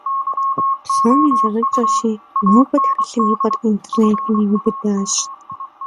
Псоми зэрытщӀэщи, нобэ тхылъым и пӀэр интернетым иубыдащ.